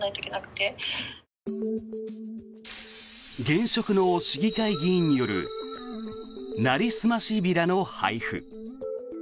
現職の市議会議員によるなりすましビラの配布。